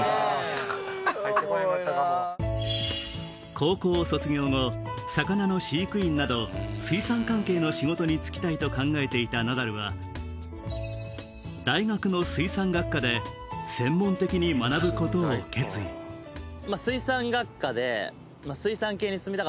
高校を卒業後魚の飼育員など水産関係の仕事に就きたいと考えていたナダルは大学の水産学科で専門的に学ぶことを決意フハハハハ！